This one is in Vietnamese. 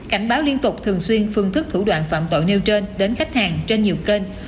cảnh báo liên tục thường xuyên phương thức thủ đoạn phạm tội nêu trên đến khách hàng trên nhiều kênh